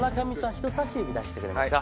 人さし指出してくれますか？